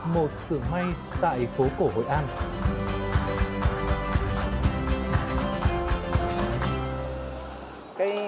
một sửa may tại phố cổ hồi an